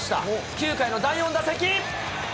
９回の第４打席。